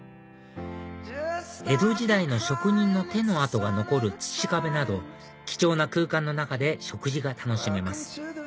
江戸時代の職人の手の痕が残る土壁など貴重な空間の中で食事が楽しめます